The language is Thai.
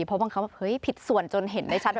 เพราะบางครั้งผิดส่วนจนเห็นได้ชัด